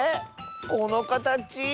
このかたち。